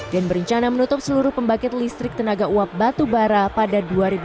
dan berencana menutup seluruh pembangkit listrik tenaga uap batu bara pada dua ribu lima puluh